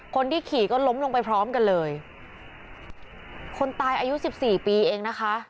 คนที่ขี่ก็ล้มลงไปพร้อมกันเลยคนตายอายุสิบสี่ปีเองนะคะ